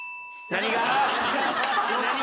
何が？